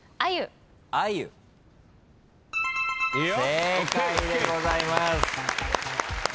正解でございます。